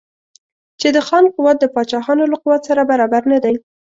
چې د خان قوت د پاچاهانو له قوت سره برابر نه دی.